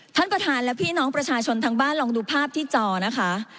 ท่านประธานและพี่น้องประชาชนทั้งบ้านลองดูภาพที่จอนะคะ